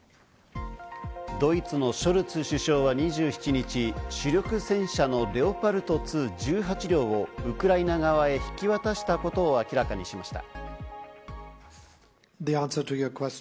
ドイツのショルツ首相は２７日、主力戦車の「レオパルト２」１８両をウクライナ側へ引き渡したことを明らかにしました。